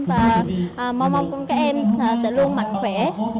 và mong mong các em sẽ luôn mạnh khỏe